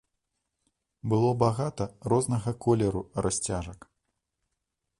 Было багата рознага колеру расцяжак.